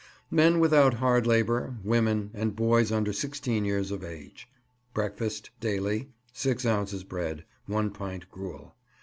MEN WITHOUT HARD LABOUR, WOMEN, AND BOYS UNDER SIXTEEN YEARS OF AGE. Breakfast Daily 6 ounces bread, 1 pint gruel.